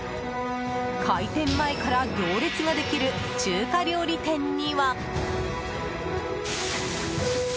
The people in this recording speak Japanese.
開店前から行列ができる中華料理店には。